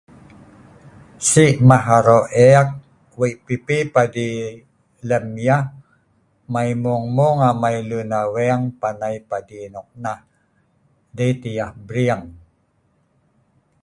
si' mah aro' eek, wei' pipi padi lem yah, mai mueng mueng amai lun aweng panai padi noknah, dei tah yah bri'eng